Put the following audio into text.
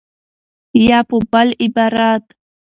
یا په بل عبارت